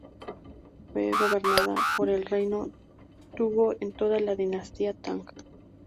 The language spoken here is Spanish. Fue gobernada por el Reino Tubo en toda la dinastía Tang.